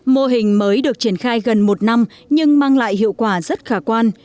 mô hình mới được triển khai gần một năm nhưng mang lại hiệu quả rất khả quan